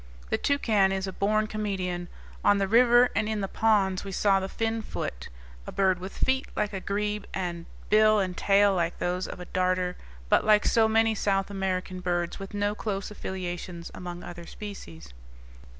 The toucan is a born comedian. On the river and in the ponds we saw the finfoot, a bird with feet like a grebe and bill and tail like those of a darter, but, like so many South American birds, with no close affiliations among other species.